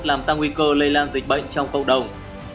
làm tăng nguy cơ lây lan dịch bệnh trong cộng đồng